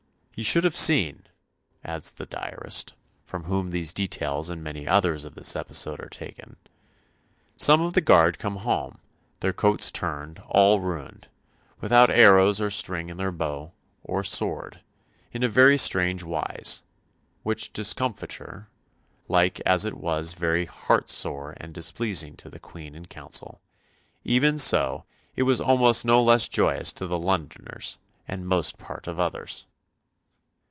"Ye should have seen," adds the diarist, from whom these details and many others of this episode are taken, "some of the Guard come home, their coats turned, all ruined, without arrows or string in their bow, or sword, in very strange wise; which discomfiture, like as it was very heart sore and displeasing to the Queen and Council, even so it was almost no less joyous to the Londoners and most part of others."